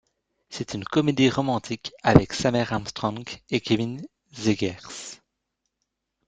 C'est une comédie romantique avec Samaire Armstrong et Kevin Zegers.